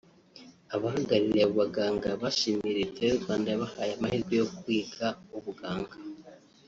Abahagarariye abo baganga bashimiye Leta y’u Rwanda yabahaye amahirwe yo kwiga ubuganga